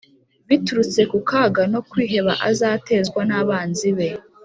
biturutse ku kaga no kwiheba azatezwa n’abanzi bawe